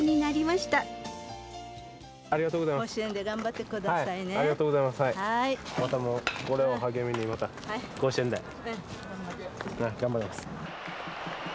またこれを励みにまた甲子園で頑張ります。